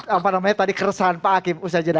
apa namanya tadi keresahan pak hakim ushajana